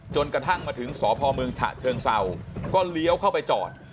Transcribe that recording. กระทั่งมาถึงสพเมืองฉะเชิงเศร้าก็เลี้ยวเข้าไปจอด